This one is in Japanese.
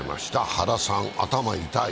原さん、頭痛い。